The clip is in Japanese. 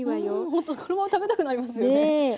ほんとこのまま食べたくなりますよね。